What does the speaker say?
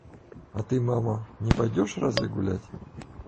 А ты, мама, не пойдёшь разве гулять?